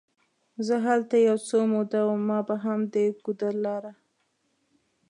زه هلته یو څه موده وم، ما به هم د ګودر لاره.